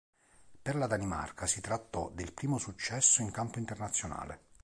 Per la Danimarca si trattò del primo successo in campo internazionale.